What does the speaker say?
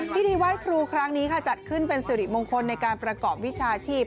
พิธีไหว้ครูครั้งนี้ค่ะจัดขึ้นเป็นสิริมงคลในการประกอบวิชาชีพ